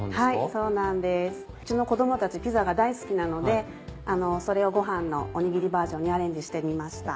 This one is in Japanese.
そうなんですうちの子供たちピザが大好きなのでそれをご飯のおにぎりバージョンにアレンジしてみました。